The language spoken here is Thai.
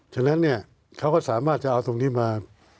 ฉะนั้นเนี่ยเขาก็สามารถจะเอาตรงนี้มา